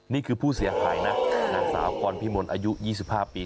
นี่คือผู้เสียหายนะนางสาวพรพิมลอายุ๒๕ปี